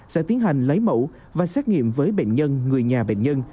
sẽ tiến hành lấy mẫu và xét nghiệm với bệnh nhân người nhà bệnh nhân